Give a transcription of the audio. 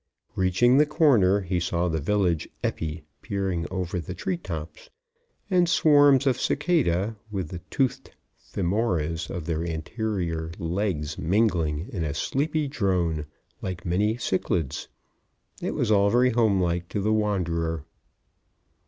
] Reaching the corner he saw the village epi peering over the tree tops, and swarms of cicada, with the toothed famoras of their anterior legs mingling in a sleepy drone, like many cichlids. It was all very home like to the wanderer.